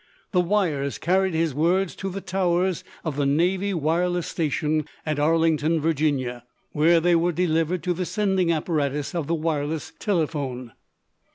The wires carried his words to the towers of the Navy wireless station at Arlington, Virginia, where they were delivered to the sending apparatus of the wireless telephone.